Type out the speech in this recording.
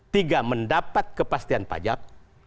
tiga mendapat kepastian pajak